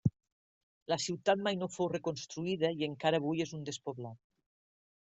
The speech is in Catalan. La ciutat mai no fou reconstruïda i encara avui és un despoblat.